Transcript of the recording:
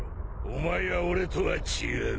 お前は俺とは違う。